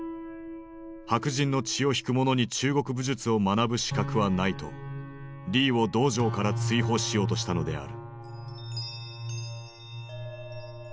「白人の血を引く者に中国武術を学ぶ資格はない」とリーを道場から追放しようとしたのである。